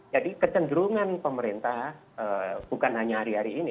jadi kecenderungan pemerintah bukan hanya hari hari ini